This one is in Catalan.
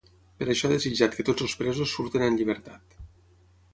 Per això ha desitjat que tots els presos surtin en llibertat.